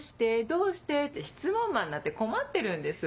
どうして？」って質問魔になって困ってるんです。